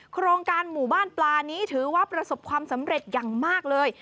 โครงการหมู่บ้านปลานี้ถือว่าประสบความสำเร็จอย่างมากเลย